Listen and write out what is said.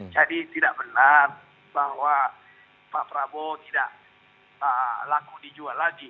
jadi tidak benar bahwa pak prabowo tidak laku dijual lagi